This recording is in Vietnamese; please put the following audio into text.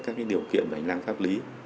các điều kiện và hành lang pháp lý